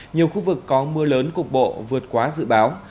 nhiều khu vực có mưa lớn cục bộ vượt quá dự báo